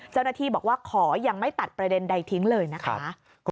เจ้าหน้าที่บอกว่าขอยังไม่ตัดประเด็นใดทิ้งเลยนะคะ